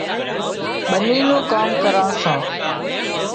ٻنِِي نُون ڪام ڪراوان سان